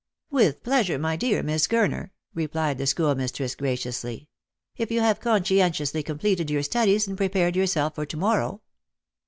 " With pleasure, my dear Miss Gurner," replied the school mistress graciously, " if you have conscientiously completed your studies and prepared yourself for to morrow."